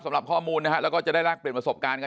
สำหรับข้อมูลนะฮะแล้วก็จะได้แลกเปลี่ยนประสบการณ์กัน